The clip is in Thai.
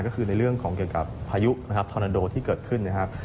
ก็คือในเรื่องของเกี่ยวกับพายุนะครับทอนาโดที่เกิดขึ้นนะครับ